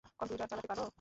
Computer চালাতে পারো?